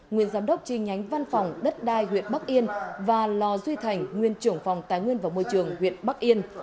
nguyên giám đốc chi nhánh văn phòng đất đai huyện bắc yên và lò duy thành nguyên trưởng phòng tài nguyên và môi trường huyện bắc yên